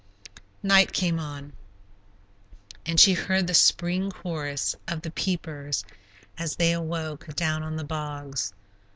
Night came on, and she heard the spring chorus of the "peepers," as they awoke, down in the bogs.